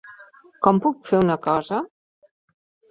Com puc fer una cosa?